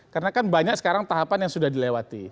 karena kan banyak sekarang tahapan yang sudah dilewati